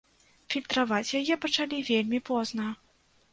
Фільтраваць яе пачалі вельмі позна.